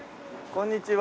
こんにちは。